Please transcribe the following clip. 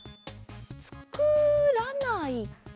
つくらないかな？